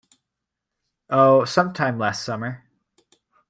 Oh, some time last summer.